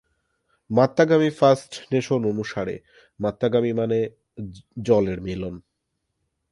Mattagami first nation অনুসারে, Mattagami মানে "জলের মিলন"।